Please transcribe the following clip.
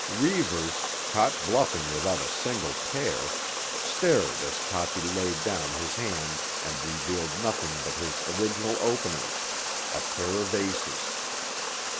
Reivers, caught bluffing without a single pair, stared as Toppy laid down his hand and revealed nothing but his original openers, a pair of aces.